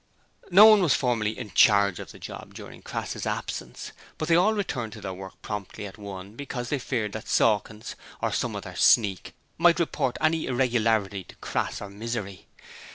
No one was formally 'in charge' of the job during Crass's absence, but they all returned to their work promptly at one because they feared that Sawkins or some other sneak might report any irregularity to Crass or Misery.